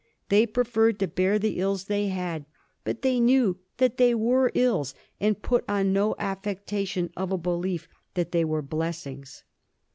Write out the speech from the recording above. They preferred to bear the ills they had; but they knew that they were ills, and put on no affectation of a belief that they were blessings.